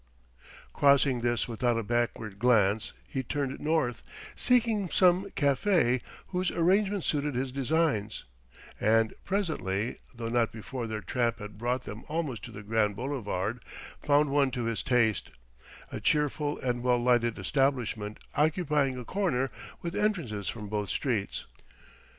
Crossing this without a backward glance, he turned north, seeking some café whose arrangements suited his designs; and, presently, though not before their tramp had brought them almost to the Grand Boulevards, found one to his taste, a cheerful and well lighted establishment occupying a corner, with entrances from both streets.